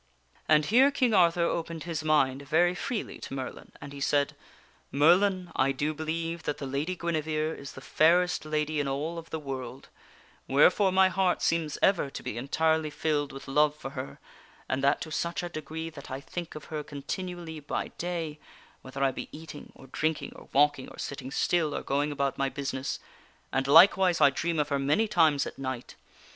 And here King Arthur opened his mind very freely to Merlin, and he said :" Merlin, I do believe that the Lady Guinevere is the fairest lady in all of the world ; wherefore my heart seems ever to be entirely filled with love for her, and that to such a degree that I think of her continu ally by day (whether I be eating, or drinking, or walking, or sitting still, or going about my business), and likewise I dream of her many times at night.